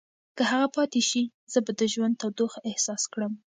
که هغه پاتې شي، زه به د ژوند تودوخه احساس کړم.